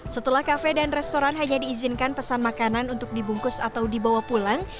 setelah kafe dan restoran hanya diizinkan pesan makanan untuk dibungkus atau dibawa pulang